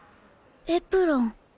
エプロン。